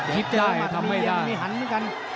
คิดได้ทำไม่ได้